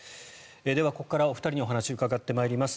ではここからお二人にお話を伺ってまいります。